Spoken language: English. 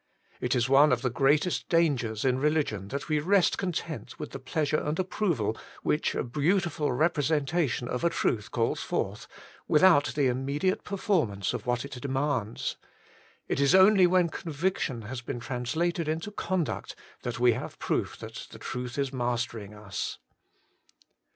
It is one of the greatest dan gers in religion that we rest content with the pleasure and approval which a beautiful representation of a truth calls forth, with out the immediate performance of what it demands. It is only when conviction has been translated into conduct that we have proof that the truth is mastering us.